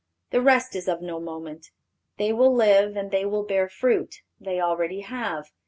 The rest is of no moment. They will live, and they will bear fruit. They already have.